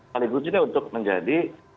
paling pentingnya untuk menjadi